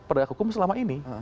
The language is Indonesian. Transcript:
peragam hukum selama ini